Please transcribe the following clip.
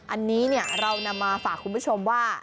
อันนี้เรานำมาฝากคุณผู้ชมว่า